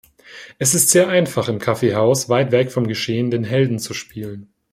Es ist sehr einfach, im Kaffeehaus, weit weg vom Geschehen, den Helden zu spielen.